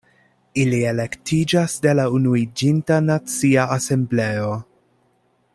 Ili elektiĝas de la Unuiĝinta Nacia Asembleo.